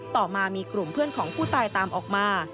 ต่อมามีกลุ่มเพื่อนของผู้ตายตามออกมา